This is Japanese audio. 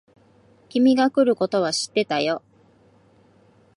君が来ることは知ってたよ。